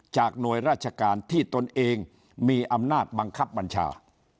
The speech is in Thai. หน่วยราชการที่ตนเองมีอำนาจบังคับบัญชา